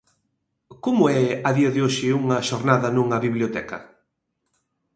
Como é, a día de hoxe, unha xornada nunha biblioteca?